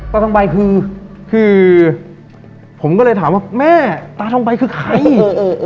ตาทองใบคือคือผมก็เลยถามว่าแม่ตาทองใบคือใครเออ